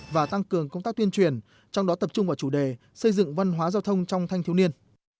và tăng cường công tác tuyên truyền trong đó tập trung vào chủ đề xây dựng văn hóa giao thông trong thanh thiếu niên